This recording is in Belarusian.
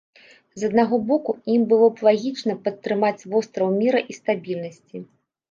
З аднаго боку, ім было б лагічна падтрымаць востраў міра і стабільнасці.